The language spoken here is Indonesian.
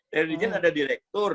dari dirjen ada direktur